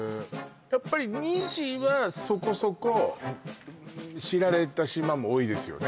やっぱり２次はそこそこ知られた島も多いですよね